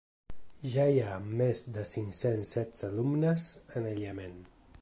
Ja hi ha més de cinc-cents setze alumnes en aïllament.